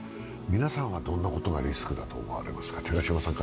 皆さんはどんなことがリスクだと思われますか。